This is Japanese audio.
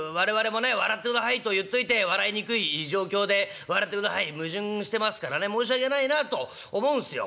「笑ってください」と言っといて笑いにくい状況で「笑ってください」。矛盾してますからね申し訳ないなと思うんすよ。